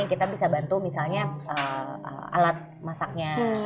kita bisa bantu misalnya alat masaknya